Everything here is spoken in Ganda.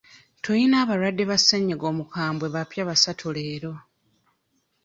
Tuyina abalwadde ba ssenyiga omukambwe abapya basatu leero.